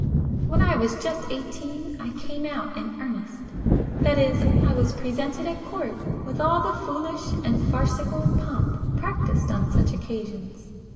When I was just eighteen I 'came out' in earnest—that is, I was presented at Court with all the foolish and farcical pomp practised on such occasions.